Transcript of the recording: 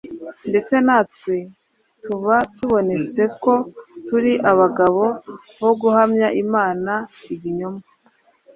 ndetse natwe tuba tubonetse ko turi abagabo bo guhamya imana ibinyoma,